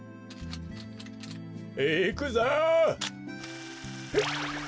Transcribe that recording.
いくぞ！